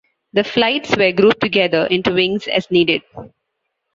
The flights were grouped together into wings as needed.